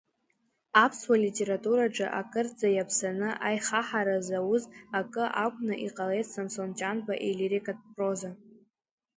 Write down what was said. Аԥсуа литератураҿы акырӡа иаԥсаны аихаҳара зауз акы акәны иҟалеит Самсон Ҷанба илирикатә проза.